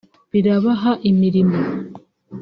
birabaha imirimo